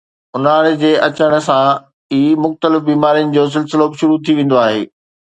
اونهاري جي اچڻ سان ئي مختلف بيمارين جو سلسلو به شروع ٿي ويندو آهي